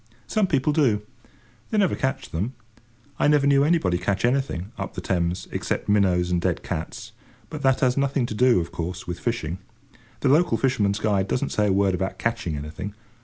Some people do. They never catch them. I never knew anybody catch anything, up the Thames, except minnows and dead cats, but that has nothing to do, of course, with fishing! The local fisherman's guide doesn't say a word about catching anything.